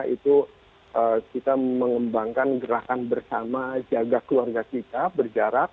itu kita mengembangkan gerakan bersama jaga keluarga kita berjarak